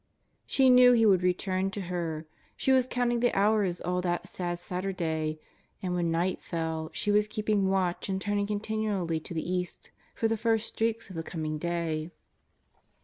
She knew He would return to her. Sho was counting the hours all that sad Saturday, and, when night fell, she was keeping w^atch and turning continually to the East for the first streaks of the com ing day.